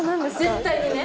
絶対にね！